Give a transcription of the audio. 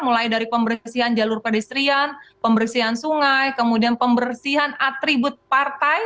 mulai dari pembersihan jalur pedestrian pembersihan sungai kemudian pembersihan atribut partai